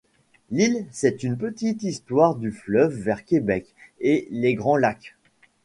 L'Île, c'est une petite histoire du fleuve vers Québec et les Grands Lacs.